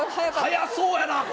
速そうやなこれ。